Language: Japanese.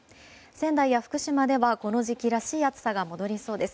仙台や福島ではこの時期らしい暑さが戻りそうです。